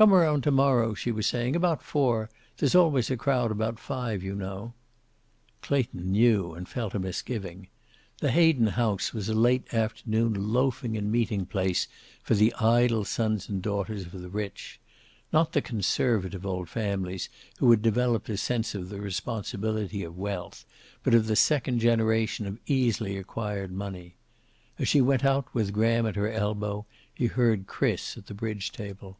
"Come around to morrow," she was saying. "About four. There's always a crowd about five, you know." Clayton knew, and felt a misgiving. The Hayden house was a late afternoon loafing and meeting place for the idle sons and daughters of the rich. Not the conservative old families, who had developed a sense of the responsibility of wealth, but of the second generation of easily acquired money. As she went out, with Graham at her elbow, he heard Chris, at the bridge table.